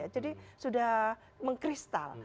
jadi sudah mengkristal